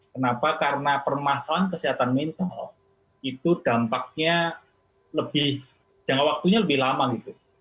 kenapa karena permasalahan kesehatan mental itu dampaknya lebih jangka waktunya lebih lama gitu